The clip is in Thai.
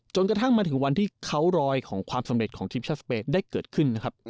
จนมันถึงวันที่ข่าวรอยของสำเร็จของที่ประเภทได้เกิดขึ้น